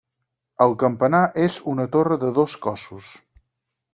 El campanar és una torre de dos cossos.